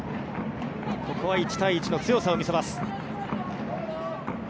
ここは１対１の強さを見せます。